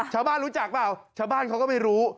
ชาวบ้านรู้จักเปล่าชาวบ้านเขาก็ไม่รู้